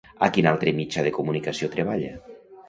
A quin altre mitjà de comunicació treballa?